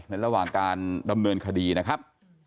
ระหว่างการดำเนินคดีนะครับ